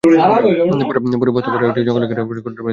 পরে বস্তায় ভরে তাকে একটি জঙ্গলে ঘেরা কাঠের বাড়িতে রাখা হয়।